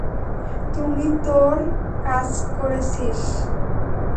তুমি তোর কাজ করেছিস।